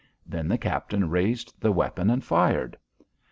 Then the captain raised the weapon and fired.